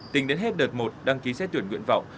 tính đến hết đợt một đăng ký xét tuyển nguyện vọng